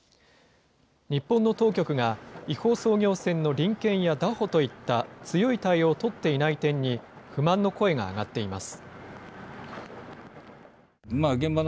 日本の当局が、違法操業船の臨検や拿捕といった強い対応を取っていない点に、不満の声が上がっています。